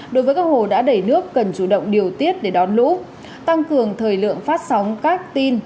đối với các hồ đã đẩy nước cần chủ động điều tiết để đón lũ tăng cường thời lượng phát sóng các tin